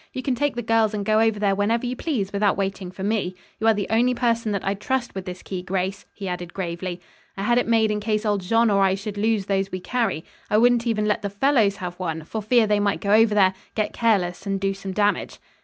You can take the girls and go over there whenever you please, without waiting for me. You are the only person that I'd trust with this key, Grace," he added gravely. "I had it made in case old Jean or I should lose those we carry. I wouldn't even let the fellows have one, for fear they might go over there, get careless and do some damage."